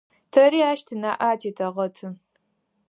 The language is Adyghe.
Тэри ащ тынаӏэ атетэгъэты.